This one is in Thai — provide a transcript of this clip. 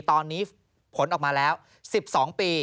ตอนนี้ผลออกมาแล้ว๑๒ปี